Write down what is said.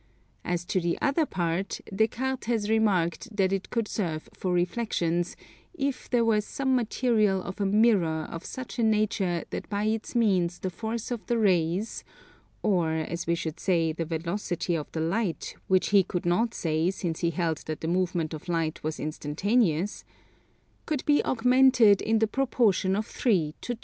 As to the, other part, Des Cartes has remarked that it could serve for reflexions, if there were some material of a mirror of such a nature that by its means the force of the rays (or, as we should say, the velocity of the light, which he could not say, since he held that the movement of light was instantaneous) could be augmented in the proportion of 3 to 2.